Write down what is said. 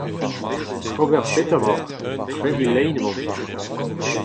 Oc'h ober petra emaoc'h ? O tebriñ lein emaomp.